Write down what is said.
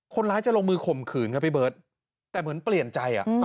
คนร้ายจะลงมือข่มขืนครับพี่เบิร์ตแต่เหมือนเปลี่ยนใจ